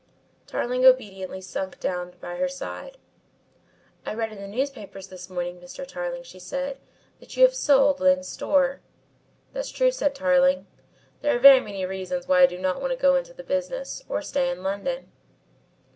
Tarling obediently sunk down by her side. "I read in the newspapers this morning, Mr. Tarling," she said, "that you have sold Lyne's Store." "That's true," said Tarling. "There are very many reasons why I do not want to go into the business, or stay in London."